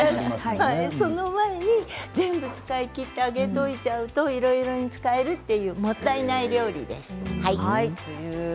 その前に全部使い切ってあげておいてしまうといろいろ使えるというもったいない料理です。